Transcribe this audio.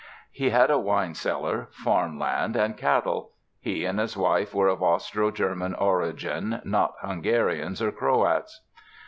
He had a wine cellar, farmland and cattle. He and his wife were of Austro German origin, not Hungarians or Croats.